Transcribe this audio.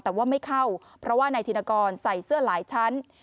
แต่ว่าไม่เข้าเพราะว่านายธินกรใส่เสื้อหลายชั้น